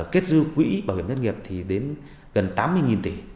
kết dư quỹ bảo hiểm thất nghiệp thì đến gần tám mươi tỷ